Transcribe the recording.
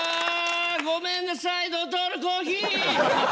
ごめんなさいドトールコーヒー！